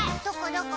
どこ？